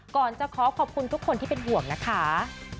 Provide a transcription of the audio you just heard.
ก่อนจะขอขอบคุณทุกคนที่เป็นห่วงนะคะ